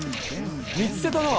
見つけたな！